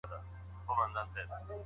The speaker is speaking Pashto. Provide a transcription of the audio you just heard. د ډنډ ترڅنګ د ږدن او مڼې ځای ړنګېده.